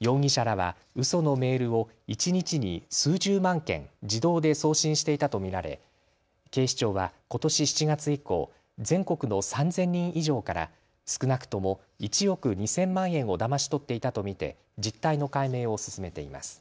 容疑者らはうそのメールを一日に数十万件、自動で送信していたと見られ警視庁はことし７月以降、全国の３０００人以上から少なくとも１億２０００万円をだまし取っていたと見て実態の解明を進めています。